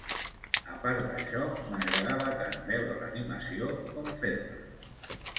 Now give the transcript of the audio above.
A part d'això, m'agradava tant veure l'animació com fer-la.